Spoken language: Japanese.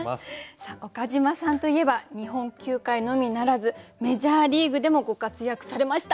岡島さんといえば日本球界のみならずメジャーリーグでもご活躍されました。